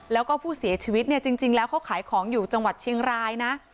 แล้วก็ผู้เสียชีวิตเนี่ยจริงแล้วเขาขายของอยู่จังหวัดเชียงรายนะ